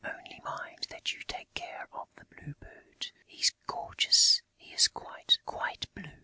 Only mind that you take care of the Blue Bird. He's gorgeous! He is quite, quite blue!"